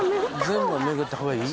全部は巡ったほうがいい？